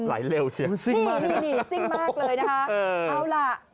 ไหลเลวเฉยมันซิ่งมากนี่ซิ่งมากเลยนะคะ